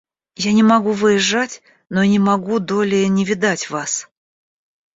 Я не могу выезжать, но и не могу долее не видать вас.